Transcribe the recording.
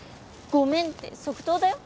ごめんって即答だよ